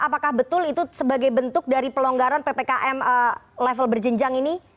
apakah betul itu sebagai bentuk dari pelonggaran ppkm level berjenjang ini